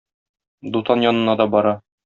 Дутан янына да бара.